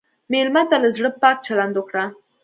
مېلمه ته له زړه پاک چلند وکړه.